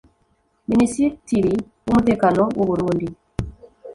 Minisitiri w’umutekano w’Uburundi